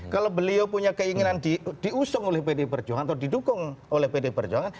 kalau beliau punya keinginan diusung oleh pdi perjuangan atau didukung oleh pd perjuangan